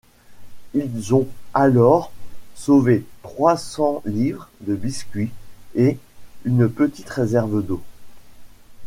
Ils ont alors sauvé trois cents livres de biscuits et une petite réserve d'eau.